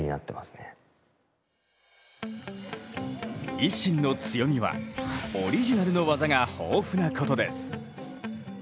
ＩＳＳＩＮの強みはオリジナルの技が豊富なことです。